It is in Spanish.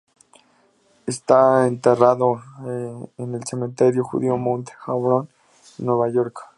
Está enterrado en el cementerio judío Mount Hebron, en Nueva York.